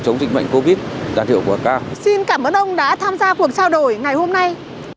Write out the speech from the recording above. xin cảm ơn ông đã tham gia cuộc trao đổi ngày hôm nay